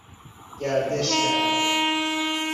گردش کرد